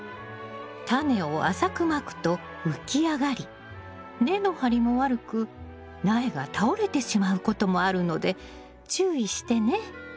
タネを浅くまくと浮き上がり根の張りも悪く苗が倒れてしまうこともあるので注意してね。